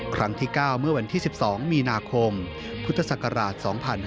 ครั้งที่๙เมื่อวันที่๑๒มีนาคมพุทธศักราช๒๕๕๙